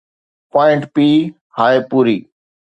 point پي هاءِ پوري